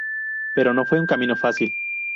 Pero no fue un camino fácil.